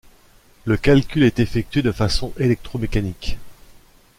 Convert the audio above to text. Le calcul est effectué de façon électromécanique.